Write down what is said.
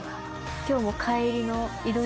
今日も。